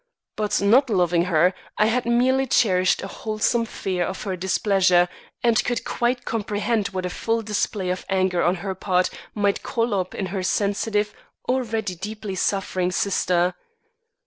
But not loving her, I had merely cherished a wholesome fear of her displeasure, and could quite comprehend what a full display of anger on her part might call up in her sensitive, already deeply suffering sister.